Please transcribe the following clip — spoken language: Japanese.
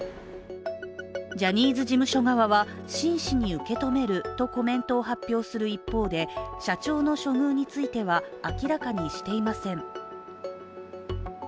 ジャニーズ事務所側は、真摯に受け止めるとコメントを発表する一方で社長の処遇については明らかにしていません。